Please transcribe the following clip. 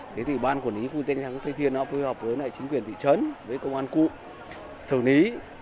thế thì ban quản lý khu dân thang tây thiên nó phù hợp với chính quyền thị trấn với công an cụ sở lý